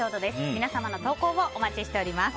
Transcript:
皆様の投稿をお待ちしております。